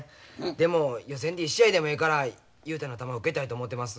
でも予選で一試合でもええから雄太の球を受けたいと思てます。